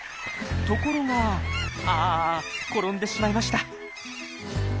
ところがあ転んでしまいました。